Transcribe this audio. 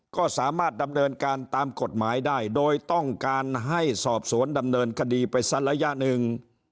ก็สามารถดำเนินการตามกฎหมายได้โดยต้องการให้สอบสวนดำเนินคดีไปสักระยะหนึ่ง